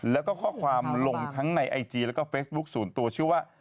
แล้วก็ข้อความลงทั้งในไอจีแล้วก็เฟซบุ๊คส่วนตัวชื่อว่า